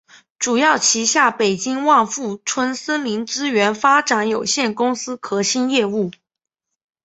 主要旗下北京万富春森林资源发展有限公司核心业务。